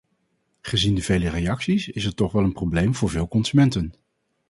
Gezien de vele reacties is het toch wel een probleem voor veel consumenten.